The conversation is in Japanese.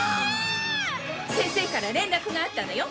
先生から連絡があったのよ。